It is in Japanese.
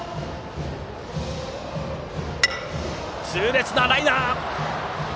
痛烈なライナー！